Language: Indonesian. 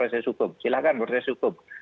silahkan proses hukum